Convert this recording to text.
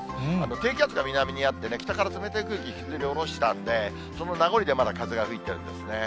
低気圧が南にあってね、北から冷たい空気引きずり下ろしたんで、その名残でまだ風が吹いてるんですね。